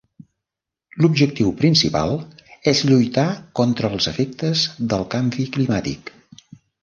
L'objectiu principal és lluitar contra els efectes del canvi climàtic.